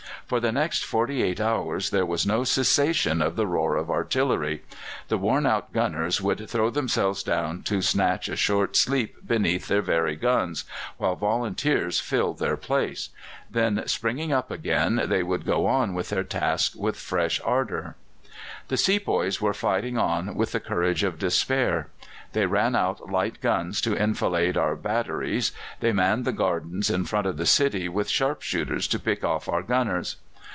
For the next forty eight hours there was no cessation of the roar of artillery. The worn out gunners would throw themselves down to snatch a short sleep beneath their very guns, while volunteers filled their place; then, springing up again, they would go on with their task with fresh ardour. The sepoys were fighting on with the courage of despair. They ran out light guns to enfilade our batteries; they manned the gardens in front of the city with sharp shooters to pick off our gunners.